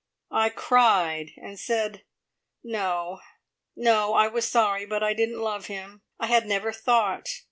I cried, and said, No! no! I was sorry, but I didn't love him; I had never thought.